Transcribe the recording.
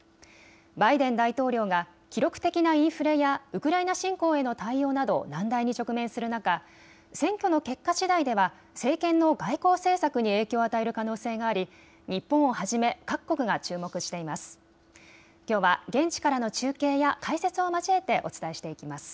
バイデン大統領が記録的なインフレやウクライナ侵攻への対応など難題に直面する中、選挙の結果しだいでは政権の外交政策に影響を与える可能性があり日本をはじめ各国が注目しています。